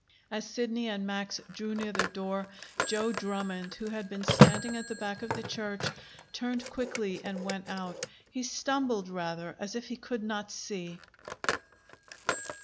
As Sidney and Max drew near the door, Joe Drummond, who had been standing at the back of the church, turned quickly and went out. He stumbled, rather, as if he could not see.